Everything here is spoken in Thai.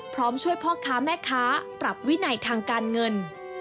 พร้อมช่วยพ่อค้าแม่ค้าปรับวินัยทางการเงิน